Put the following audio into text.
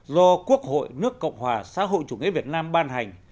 do quốc hội nước cộng hòa xã hội chủ nghĩa việt nam ban hành